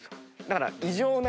だから。